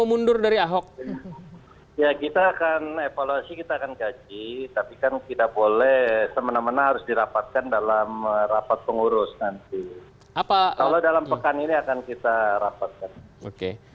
maksudnya begini pak